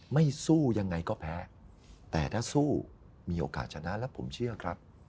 สู้ยังไงก็แพ้แต่ถ้าสู้มีโอกาสชนะแล้วผมเชื่อครับ